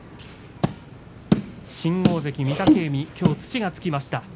新大関御嶽海きょう土がつきました。